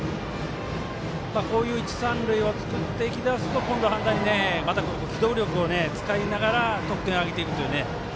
こういう一、三塁を作っていきだすと今度、反対に機動力を使いながら得点を挙げていくという。